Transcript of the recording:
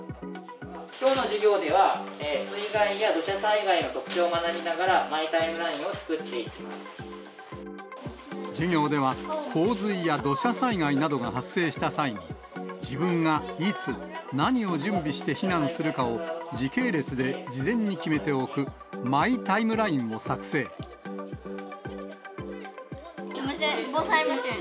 きょうの授業では、水害や土砂災害の特徴を学びながら、マイ・タイムラインを作って授業では、洪水や土砂災害などが発生した際に、自分がいつ、何を準備して避難するかを時系列で事前に決めておく、マイ・タイ防災無線。